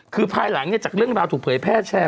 คือภายหลังจากเรื่องราวถูกเผยแพร่แชร์